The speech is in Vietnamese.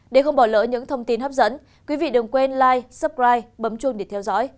để không bỏ lỡ những thông tin hấp dẫn quý vị đừng quên life suppride bấm chuông để theo dõi